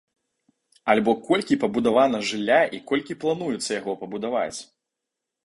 Альбо колькі пабудавана жылля і колькі плануецца яго пабудаваць.